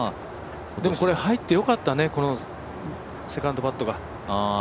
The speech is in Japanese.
でも、これ入ってよかったねセカンドパットが。